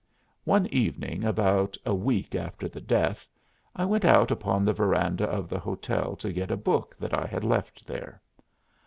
One evening about a week after the death I went out upon the veranda of the hotel to get a book that I had left there.